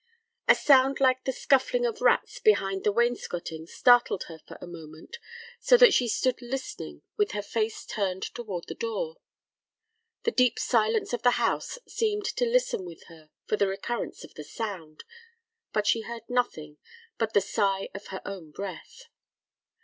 A sound like the scuffling of rats behind the wainscoting startled her for a moment, so that she stood listening with her face turned toward the door. The deep silence of the house seemed to listen with her for the recurrence of the sound, but she heard nothing but the sigh of her own breath.